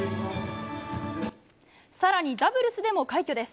更に、ダブルスでも快挙です。